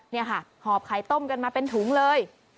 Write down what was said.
นี่ค่ะหอบไข่ต้มกันมาเป็นถุงเลย